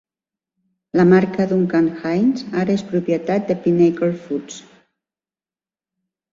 La marca Duncan Hines ara és propietat de Pinnacle Foods.